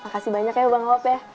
makasih banyak ya bang op ya